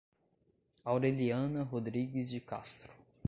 Aureliana Rodrigues de Castro